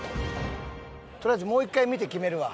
とりあえずもう１回見て決めるわ。